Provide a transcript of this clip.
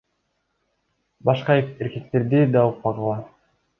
Башка эркектерди да укпагыла.